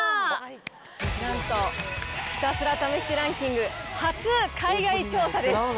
なんと、ひたすら試してランキング、初海外調査です。